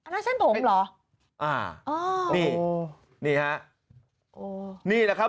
แล้วเส้นผมเหรออ่าอ๋อนี่นี่ฮะโอ้นี่แหละครับ